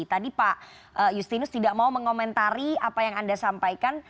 tadi pak justinus tidak mau mengomentari apa yang anda sampaikan